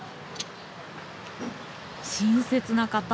親切な方。